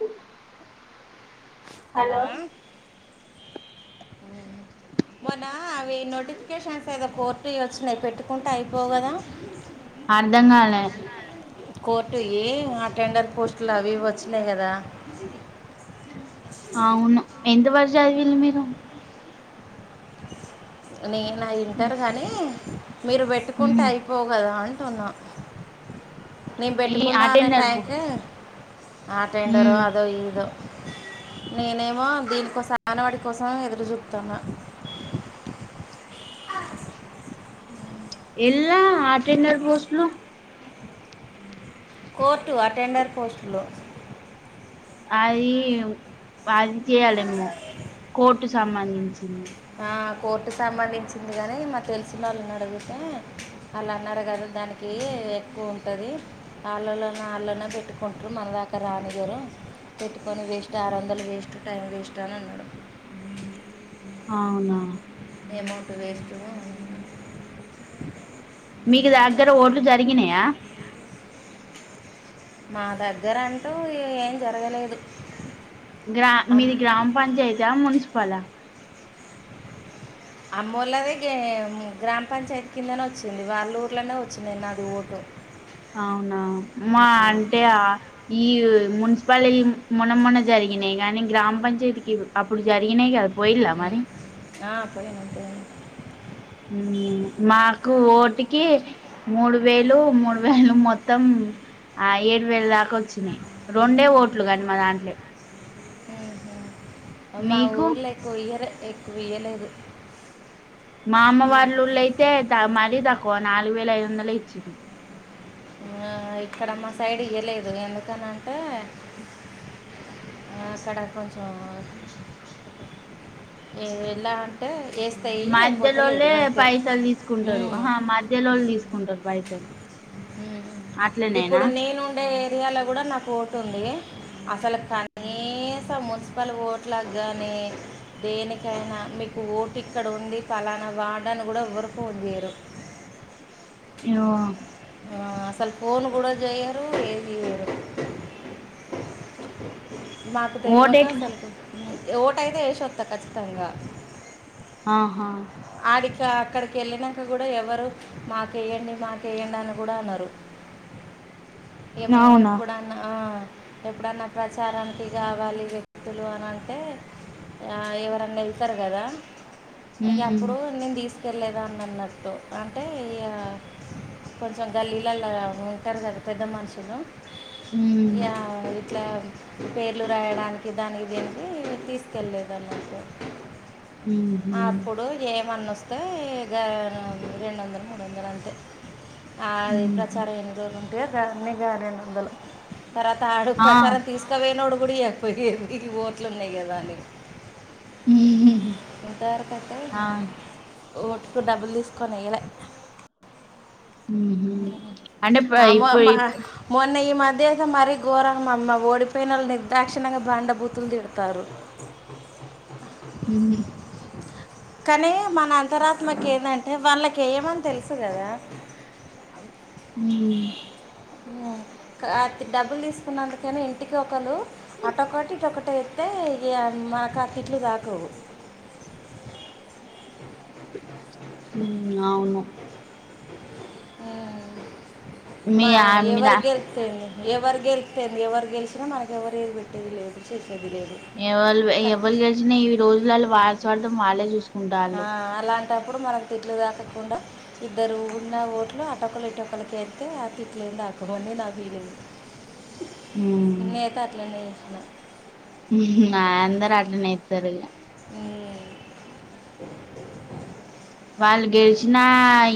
అ hello ఆ మొన్న అవి నోటిఫికేషన్స్ ఏదో కోర్టు వచ్చినాయి పెట్టుకుంటే అయిపోవు కదా అర్థం కాలే కోర్టువి ఆ టెండర్ పోస్టులు అవి ఇవి వచ్చినాయి కదా అవును ఎంతవరకు చదివిల్లు మీరు నిన్న ఇంటర్ కానీ మీరు పెట్టుకుంటే మ్మ్ అయిపోవు కదా అ అంటున్న నేను ఈ పెట్టుకుందా అనే అటెండర్ పో ట్యాంక్ ఆ అటెండర్రో మ్మ్ అదో ఇదో నేనేమో దీనికోసం అంగనవాడి కోసం ఎదురు చూస్తున్న ఆ ఎలా అటెండర్ పోస్లు కోర్టు అటెండర్ పోస్టులో అది అది చేయాలేమో కోర్టు సంబంధించింది ఆ కోర్టు సంబంధించింది కాని మాకు తెలిసిన వాళ్ళని అడిగితే వాళ్ళు అన్నారు కదా దానికి ఎక్కువ ఉంటుంది వాళ్ళలో వాళ్ళనే పెట్టుకుంటారు మన దాకా రానీయరు పెట్టుకొని వేస్ట్ ఆరు వందలు వేస్ట్ టైం వేస్ట్ అని అన్నాడు అవునా అమౌంంటట్ వేస్ట్ మీకు దగ్గర ఓట్లు జరిగినాయా మా దగ్గర అంటూ ఏం జరగలేదు గ్రా అమ్- మీది గ్రామ పంచాయతీ మున్సిపాల అమ్మోళ్ళదే గ గ్రామ పంచాయతీ కిందనే వచ్చింది వాళ్ళ ఊర్లోనే వచ్చింది నాది ఓటు అవునా మా ఉమ్, అంటే ఈ మున్సిపాలిటీ మన మన్న జరిగి జరిగినాయి కాగానీ గ్రామ పంచాయతీకి అప్పుడు జరిగినయి కదా పోయిలా ఉమ్. మరి ఆ పోయినపోయి మాకు ఓటికి మూడు వేలు మూడు వేలు మొత్తం ఆ ఏడు వేల దాకా వచ్చినాయి రెండే ఓట్లు కానీ మా దాంట్లో ఆహా మా మీకు ఊర్లో ఎక్కువ ఇయ్యలే ఎక్కువ ఇయ్యలేదు మా అమ్మ మ్మ్. వాళ్ళళ్ళయితే మరీ తక్కువ నాలుగు వేల ఐదు వందలు ఇచ్చి ఆ ఇక్కడ మా సైడ్ ఇవయలేదు ఎందుకనంటే ఆ సడా కొంచ ఏ ఎలా అంటే వేస్తాయి లేకపోతే లేదు మధ్యలోలే అంతే పైసలు తీసుకుంటారు మ్మ్. ఆ మధ్యలోళు తీసుకుంటారు పైసలు హ అట్లనేనా ఇప్పుడు నేనుండే ఏరియాలో కూడా నా ఓటు ఉంది అసలు కానీ మున్సిపల్ ఓట్ల కానీ దేనికైనా మీకు ఓటు ఇక్కడ ఉంది ఫలానా వాడడానికి కూడా ఊరుకు చేరు ఆ అసలు ఫోన్ కూడా చేయ్యరు ఏది చెయరు మాకు తెలియక ఓటెట్లా అసలు ఓట అయితే వేసిొస్తా ఖచ్చితంగా ఆహా ఆడికి అక్కడికి వెళ్ళాక కూడా ఎవరు మాకే్యండి మాక వే్యండి అను అన్నారు ఏ మేమి అవునా ఎప్పుడన్నా ఎప్పుడన్నా ప్రచారానికి కావాలి వ్యక్తులు అని అంటే ఎవరన్నా వెళ్తారు కదా ఇక ఉమ్ ఎప్పుడు నేను తీసుకెళ్లేద అని అన్నట్టు అంటే ఇ కొంచెం గల్లీలల్లో ఉంటారు కదా పెద్ద మనుషులు ఉమ్ ఇట్లా పేర్లు రాయడానికి దానికి దీనికి తీసుకెళ్లేదు అన్నట్టు ఉహు అప్పుడు ఏమన్న వస్తే రెండు వందలు మూడు వందలు అంతే అది ఉహు ప్రచారం ఎన్ని దో ఉంటేయో దన్నిగా రెండు వందలు తర్వాత ఆడుగు ఆ ప్రచారం తీసుకవనోడు అప్పుడకపోయి ఎకి ోట్లు ఉన్నాయి కదా అని ఉహు ఉ దారు కట్టా ఆ ఓటుకు డబ్బులు తీసుకొని వేయాల అంటే ఇప్పుడు అన్న ఈ మధ్య మరీ ఘరమమ్మ ఓడిపోయిన వాళ్ళు నిర్దాక్షిణంగా బాండబూతులు తిడతారు హ కానీ మన అంతరాత్మకి ఏందంటే వాళ్ళక ఏయమని తెలుసు కదా అ హ డబ్బులు తీసుకున్నందుకనా ఇంటికి ఒకలు అటొకటి ఇటోకటి ఎత్తే ఇ మాకు అతిట్లు తాకువు ఉమ్ అవును మీ మా ఆ మీద ఎవరు గెలిత్తే ఏంటి ఎవరు గెలితెంది ఎవరు గెలిచినా మనకి ఎవరు ఏది పెట్టేది లేదు చేసే ఎవలు ఎవలు గేలిసినా ఈ రోజులళ్ళో వాళ్ల స్వార్థం వాళ్లే చూస్ ఆ అలాంటప్పుడు మనకు తిట్లు తాకకుండా ఇద్దరు ఉన్న ఓట్లు అ అట్టొ ఒకలు ఇటు ఒకలకేత్తే ఆ తిట్లేం తాకవు అని నా ఫీలింగ్ నేనయితే అట్లనే చేసిన మ్ హు అందరు అట్లనేత్తరిగా మ్ వాళ్ళు గెలిచినా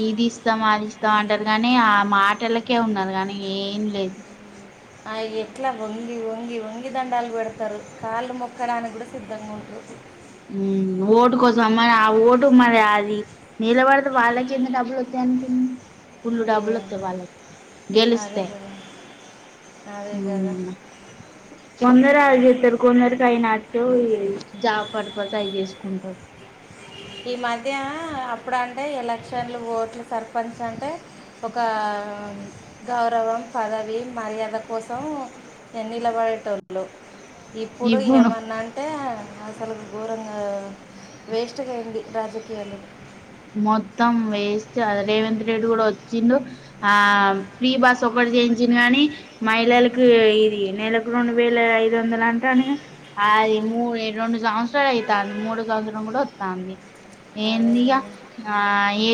ఇది ఇస్తాం అది ఇస్తాం అంటారు గానీ ఆ మాటలకే ఉన్నారు గాని ఏం లేదు ఆ ఎట్లా వంగి వంగి వంగి దండాలు పెడతారు కాళ్ళు మొక్క మోక్క డానికి కూడా సిద్ధంగా ఉంటుం మ్ ఓటు కోసం అమ్మాయి ఆ ఓటు మరి అది నీలబడితే వాళ్ళకి ఎంత డబ్బులు వస్తా [inaudible] ఫుల్లు డబ్బులోత్తయి వాళ్లకి అదే గెలుస్తే కదా అదే ఉ కదా అమ్మ కొందరే ఐజేతారు కొందరే ట్రైనాట్ జాబ్ పర్పస్ అవి చేసుకుంటారు ఈ మధ్య అప్పుడు అంటే ఎలక్షన్లు ఓట్లు సర్పంచ్ అంటే ఒక గౌరవం పదవి మర్యాద కోసం నిలబడే టోల్లు ఇప్పుడు ఏమన్నా అంటే అసలు ఘోరంగా వేస్ట్ [unintelligible] రాజకీయాల మొత్తం వేస్ట్ అ రేవంత్ రెడ్డి కూడా వచ్చిండు ఆ ఫ్రీ బాస్ ఒకట్ చేయించిండు గాని మహిళలకు ఇది నెలకు రెండు వేల ఐ కొందరు అంటారుగా అది మూడు రెండు సంవత్సర ఐతంది మూడు సంవత్సరం కూడా వస్తాంది అదే ఏందిక కదా ఆ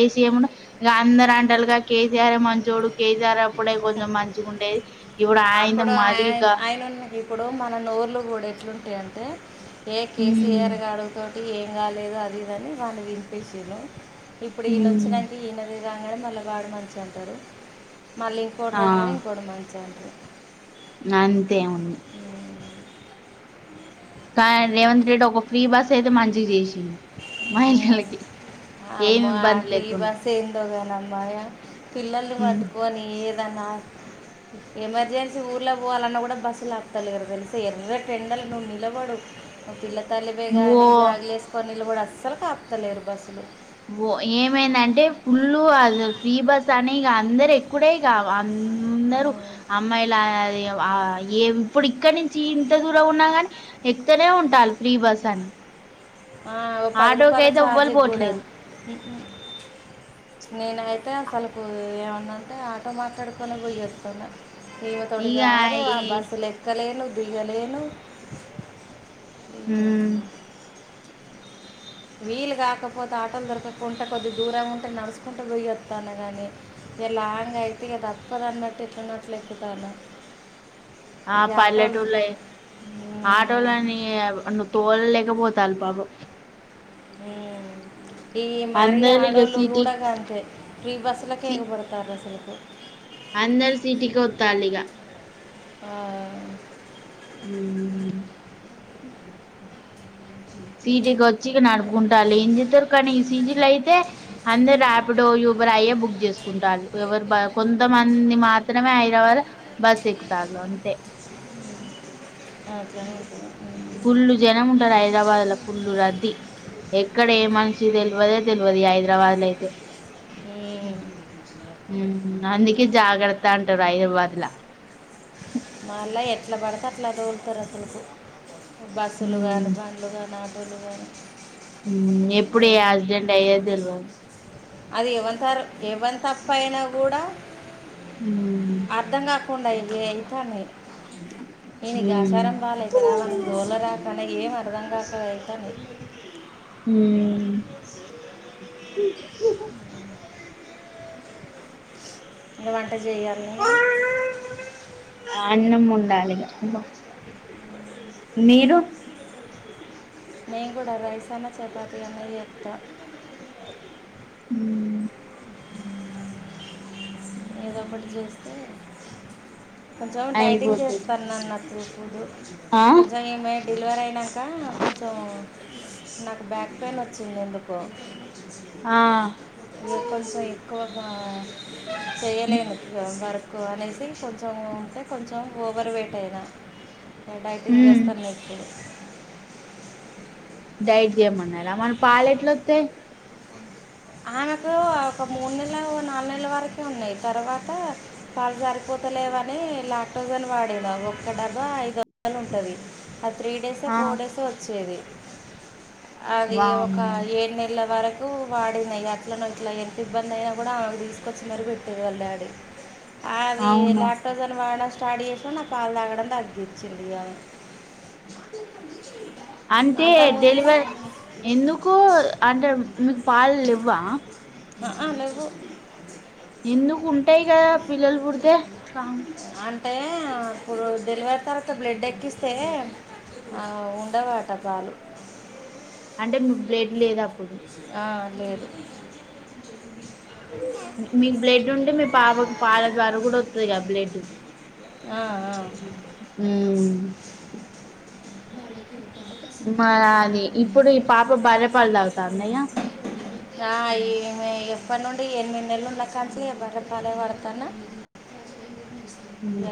ఏసి ఏమున్నా ఇ అందర అంటలుగా కె కేసీఆర్ మంచి చూడు కేసీఆర్ అప్పుడే కొంచెం మంచిగా ఉండేది ఇప్పుడు ఆయంత అప్పుడు మరి ఆయన దా ఆయన ఇప్పుడు మన నోర్లు కూడా ఎట్లుంటాయ అంటే ఏ ఉమ్ కేసీఆర్ గారు తో ఏం కాలేదు అదిదిని వాళ్ళ దింపిచ్చిర్రు ఇప్పుడు ఈయన ఉమ్ వచ్చినాంక ఈయన రాంగనే వాడు మంచిగా అంటారు మళ్ళీ ఇంకొడు రాంగానే ఇంకోటి మంచోడు అంతేముంది కా రేవంత్ రెడ్డి ఒక ఫ్రీ బస్ అయితే మంచిగా చేసి మహిళలకి ఏమి ఇబ్బంది లేకుడా అబాయ పిల్లలు ఉమ్. పట్టుకొని ఏదన్నా ఎమర్జెన్సీ ఊర్లో పోవాలన్నా కూడా బస్సు లాప్తలేదు తెలుస ఎర్రటెండలో నువ్వు నిలబడు పిల్ల తల్లివే ఓ గాని బ్యాగులు వేసుకొని కూడా అస్సలు కాప్తాలేరు బస్సులు ఓ ఏమైందంటే ఫుల్ అసలు ఫ్రీ బస్ అని ఇగ అందరు ఎక్కుడే ఇగ అందరు అమ్మాయిలు ఏ ఇప్పుడు ఇక్కడ నుంచి ఇంత దూరం ఉన్నాగాని ఎక్కుతనే ఉంటాల్లు ఫ్రీ బస్ అని ఆ ఓ పది ఆటోకి రూపాయల అయితే చార్జి ఎవ్వలు గూ డా పోట్లేరు నేనైతే అసలుకు ఏమన్నా అంటే ఆటో మాట్లాడుకొని పోయి వస్తను ఈమె తోటి ఇక గాదు ఆ ఈ బస్సులులెక్కలేను ఇగ లేను ఉ వీలు కాకపోతే ఆటలు దొరకకుంటే కొద్ది దూరంగా ఉంటే నడుచకుంటూ పోయ్యొస్తాను కానీ ఇ లాంగ్ అయితే ఇదా అప్పద అన్నట్టు ఇట్న్నట్లుక్కుతాను ఆ మ్మ్, పల్లెటూళ్ళేఆడోళ్ళని ను తోలలేక పోతాల్ పాపం హ్మ్ ఈ మరి అందరు ఇగ ఆడోళ్ళు సిటీ కూడా గంతే ఫ్రీ బస్సులకే ఎగబడతారు అసలుకు అందరూ సిటీకి వత్తారిగ ఆ హ్మ్ సిటీకి వచ్చి నడుపుకుంటాల ఎం చేత్తరు కానీ సీటీలో అయితే అందరు రాపిడోలు మరి అయ్యే బుక్ చేసుకుంటారు ఎవరు కొంతమంది మాత్రమే హైదరాబాద్ లో బస్ ఎక్ తారు అంతే [unintelligible] ఫుల్లు జనం ఉంటారు హైదరాబాద్ లో ఫుల్లు రద్దీ ఎక్కడ ఏ మనిషి తెల్వదే తెల్వదు హైదరాబాద్ లో అయితే హ్మ్ అందుకే జాగ్రత్తం హైదరాబాద్లా మళ్ళా ఎట్లా పడితే అట్లా తోలుతారు అసలుకు బస్సులు కానీ ఉమ్ బండ్లు కానీ ఆటోలు కానీ ఊ ఎప్పుడు యాక్సిడెంట్ అయ్యేది దెల్వాదు అది ఎవలుతారు ఎవలు తప్పు అయినా కూడా ఊ కొండయి ఎళ్తానే ఈయనకు ఉమ్ ఆచారం [inaudible] ఏం అర్ధం కాక అయితాను ఊ ఇంక వంట చేయాల్నే గా అన్నం ఒండాలిగా బా మీరు నేను కూడా రైస్ అన్నా చపాతి అన్నా చేత్తా ఉమ్ ఏదో ఒకటి చేస్తే కొంచెం డైటింగ్ అయిపోతది చేస్తానన్నత్ ఆ [inaudible] కొంచెం ఈమే డెలివరీ అయినాక కొంచెం నాకు బ్యాక్ పెయిన్ వచ్చింది ఎందుకో ఇగ కొంచెం ఎక్కువగా చేయ్యలేను వర్క్ అనేసి కొంచెం అంటే కొంచెం ఓవర్ వెయిట్ అయినా డైటింగ్ ఉమ్ చేస్తాన్నా ఇప్పుడు డైట్ చేయమన్నారా మరి పాలెట్లొత్తయ్ ఆమెకు ఒక మూడు నెల్లేమో నాలుగు నెలల వరకే ఉన్నాయి తర్వాత పాలు సరిపో తలేవని లాక్టోజన్ వాడేవారు ఒక్క డబ్బా ఐదొ [unintelligible] ఉంటది ఆ త్రీ డేసో ఆ ఫోర్ డేసో వచ్చేది అది ఒక వామ్మో ఏడు నెల్ల వరకు వా డిన అట్లనో ఇట్లనో ఎంత ఇబ్బంది అయినా కూడా ఆమెకు తీసుకొచ్చి మరీ పెట్టేది వాళ్ళు డాడీ అది అవును ల్యాక్టోజ్ అని వాడడం స్టార్ట్ చేసినా నాకు పాలు తాగడం తగ్గిచ్చింది ఆమె [inaudible] అంటే అంతకుముందు డెలివరీ ఎందుకు అంటే మీకు పాలుల్లేవ్ వా అహా లెవ్వు ఎందుకు ఉంటాయి కదా పిల్లలు పుడితే పాలు ఆ అప్పుడు డెలివరి తర్వాత బ్లడ్ ఎక్కిస్తే ఆ ఉండవట పాలు అంటే మీకు బ్లడ్ లేదు అప్పుడు ఆ లేదు మీకు బ్లడ్ ఉంటే మీ పాపకి పాల ద్వర కూడా వస్తుది క బ్లడ్ ఆ, ఆ. ఊ మ అది ఇప్పుడు పాప బర్రె పాలు తాగుతుందా ఇగ ఆ ఈ ఎప్పటి నుండి ఎనిమిది నెలలు ఉన్నా కానించి ఎ బర్రె పాలే పడతాన్న ఉహు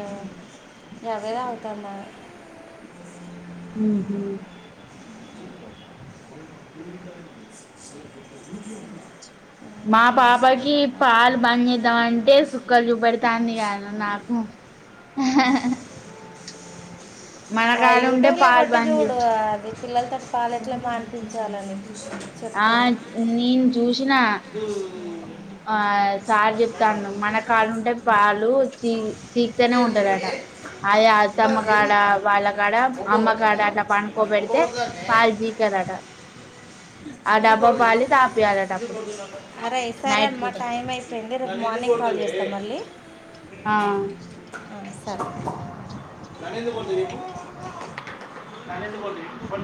గదే తగ్గుతుందాయే హ హ మా అట్లా పాపకి పాలు బంద్ చేద్దాం అంటే సుక్కలు చూపెడుతాంది కాను నాకు ఆ మనకాడ ఉంటే యూట్యూబ్ లా పాలు కొట్టి బంద్ చే చూడు అది పిల్లలతోటి పాలు ఎట్ల మానిపించాలని ఆ చెప్తారు నేను చూసినా ఆ సార్ చెప్తాండు మన కాడా ఉంటే పాలు చీ చీకుతనే ఉంటారట అయ అతమ్మకాడ ఏంది వాళ్ళ కాడ ఒప్ప కొడతాను అమ్మకాడ నన్ను అట్లా ఒప్ప పనుకోబెడితే కొడతానే పాల్ జీ కదట ఆ ఎందుకు డబ్బా కొడదు పాలే చెప్పు తపియాలి అంట అరే సరే అండి మా టైం అయిపోయింది రేపు మార్నింగ్ కాల్ చేస్తా మళ్ళీ ఆ న బ న కొ